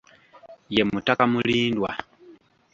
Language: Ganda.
Ye mutaka Mulindwa.